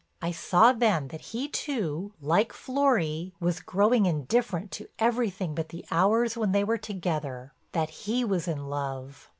I saw then that he too, like Florry, was growing indifferent to everything but the hours when they were together—that he was in love.